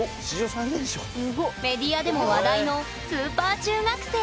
メディアでも話題のスーパー中学生